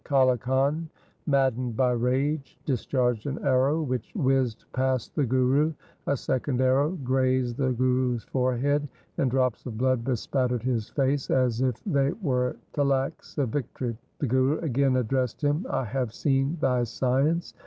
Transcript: Kale Khan, maddened by rage, discharged an arrow which whizzed past the Guru. A second arrow grazed the Guru's forehead, and drops of blood bespattered his face, as if they were tilaks of victory. The Guru again addressed him, ' I have seen thy science.